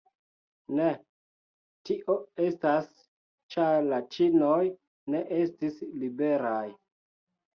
Ne, tio estas ĉar la ĉinoj ne estis liberaj.